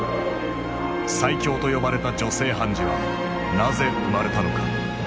最強と呼ばれた女性判事はなぜ生まれたのか。